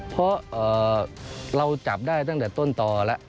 เพราะเราจับได้ตั้งแต่ต้นต่อแล้ว